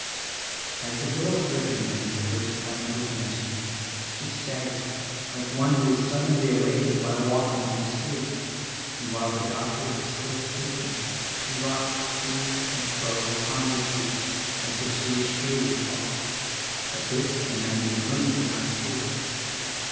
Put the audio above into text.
As the girl heard her name the first time it was men tioned she staggered like one who is suddenly awakened while walking in her sleep, and while the doctor was still speaking she rocked to and fro upon her feet as if she would surely fall— but this the men within the room could not see.